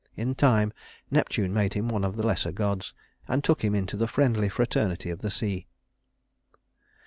In time Neptune made him one of the lesser gods, and took him into the friendly fraternity of the sea.